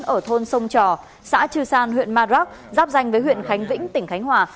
ở thôn sông trò xã trư san huyện ma rắc giáp danh với huyện khánh vĩnh tỉnh khánh hòa